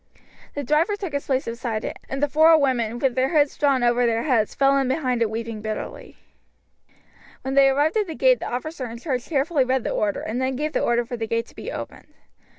The driver took his place beside it, and the four women, with their hoods drawn over their heads, fell in behind it weeping bitterly. When they arrived at the gate the officer in charge carefully read the order, and then gave the order for the gate to be opened.